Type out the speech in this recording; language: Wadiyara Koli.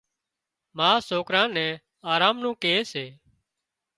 ما سوڪران نين آرام نُون ڪي سي